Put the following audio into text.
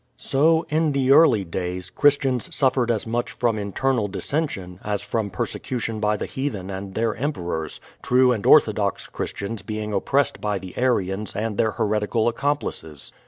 So, in the early days. Christians suffered as much from internal dissension as from persecution by the heathen and their Emperors, true and orthodox Christians being op pressed by the Arians and their heretical accomplices.